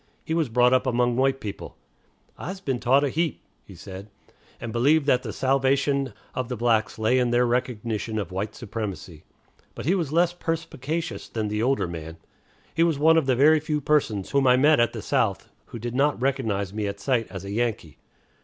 He was brought up among white people ("I's been taughted a heap," he said), and believed that the salvation of the blacks lay in their recognition of white supremacy. But he was less perspicacious than the older man. He was one of the very few persons whom I met at the South who did not recognize me at sight as a Yankee.